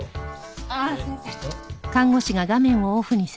ああ先生。